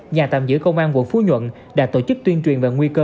nhà tạm giữ công an quận phú nhuận đã tổ chức tuyên truyền về nguy cơ